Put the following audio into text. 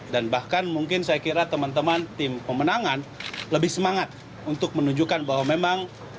dan bahkan mungkin saya kira teman teman tim pemenangan lebih semangat untuk menunjukkan bahwa memang